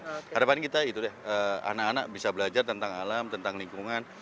harapan kita itu deh anak anak bisa belajar tentang alam tentang lingkungan